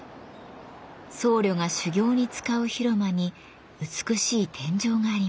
僧侶が修行に使う広間に美しい天井があります。